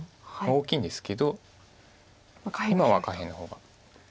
大きいんですけど今は下辺の方が。